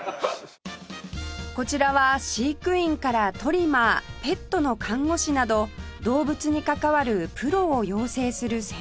こちらは飼育員からトリマーペットの看護師など動物に関わるプロを養成する専門学校